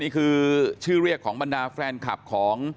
นี่คือชื่อเรียกของบรรดาแฟนคลัพพ์